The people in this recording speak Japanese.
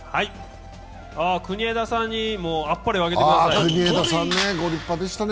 国枝さんに、あっぱれあげてください。